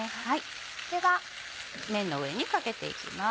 ではめんの上にかけていきます。